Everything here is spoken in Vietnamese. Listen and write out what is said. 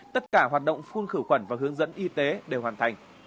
tất cả hoạt động phun khử khuẩn và hướng dẫn y tế đều hoàn thành